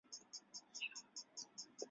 李琦只上到小学四年级便辍学。